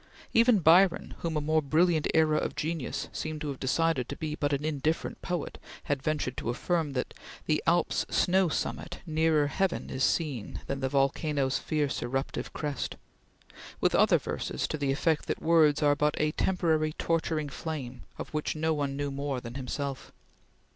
Even Byron, whom a more brilliant era of genius seemed to have decided to be but an indifferent poet, had ventured to affirm that "The Alp's snow summit nearer heaven is seen Than the volcano's fierce eruptive crest;" with other verses, to the effect that words are but a "temporary torturing flame"; of which no one knew more than himself.